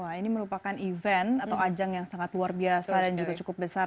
wah ini merupakan event atau ajang yang sangat luar biasa dan juga cukup besar